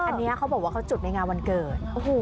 อันนี้เขาบอกว่าเขาจุดในงานวันเกิด